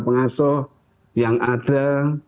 pengasuh yang ada